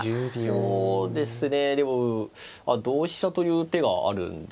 そうですねでも同飛車という手があるんですね。